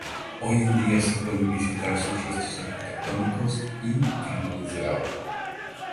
Hoy en día se pueden visitar sus restos arquitectónicos y canales de agua.